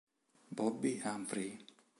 Bobbi Humphrey